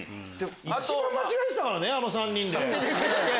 一番間違えてたからねあの３人で。